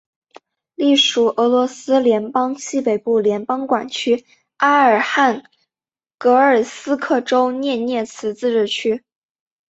隶属俄罗斯联邦西北部联邦管区阿尔汉格尔斯克州涅涅茨自治区。